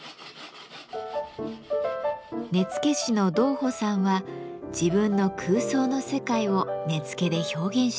根付師の道甫さんは自分の空想の世界を根付で表現しています。